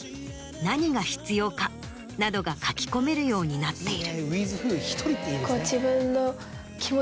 何が必要か？などが書き込めるようになっている。